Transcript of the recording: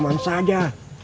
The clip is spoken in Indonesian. kamu yang membuatnya